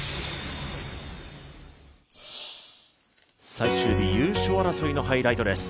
最終日、優勝争いのハイライトです。